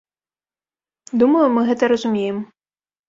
Думаю, мы гэта разумеем.